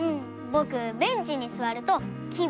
ぼくベンチにすわるとき